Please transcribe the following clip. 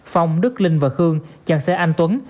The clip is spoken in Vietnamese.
phong đức linh và khương chặn xe anh tuấn